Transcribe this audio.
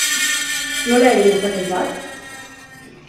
Nola egin dezaket bat?